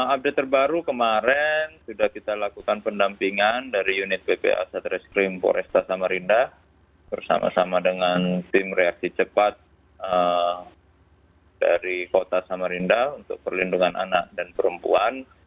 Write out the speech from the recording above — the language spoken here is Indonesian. update terbaru kemarin sudah kita lakukan pendampingan dari unit ppa satreskrim poresta samarinda bersama sama dengan tim reaksi cepat dari kota samarinda untuk perlindungan anak dan perempuan